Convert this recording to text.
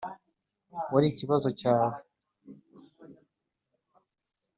wari ikibazo cyawe.